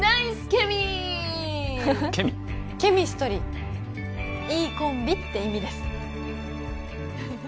ケミストリーいいコンビって意味です